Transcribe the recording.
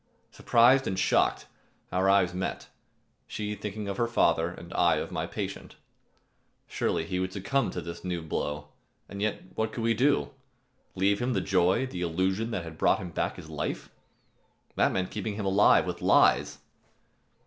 Surprised and shocked, our eyes met, she thinking of her father and I of my patient. Surely he would succumb to this new blow; and yet what could we do? Leave him the joy, the illusion that had brought him back to life? That meant keeping him alive with lies.